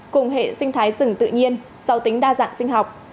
cùng hệ sinh thái rừng tự nhiên do tính đa dạng sinh học